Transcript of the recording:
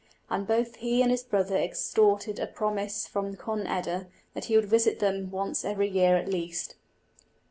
And both he and his brother extorted a promise from Conn eda, that he would visit them once every year at least.